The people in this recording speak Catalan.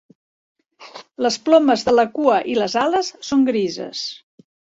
Les plomes de la cua i les ales són grises.